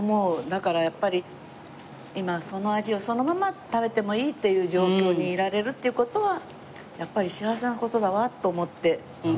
だからやっぱり今その味をそのまま食べてもいいっていう状況にいられるっていう事はやっぱり幸せな事だわと思ってかみ締めますよ。